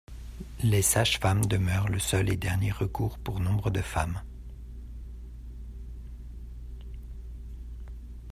Les sages-femmes demeurent le seul et dernier recours pour nombre de femmes.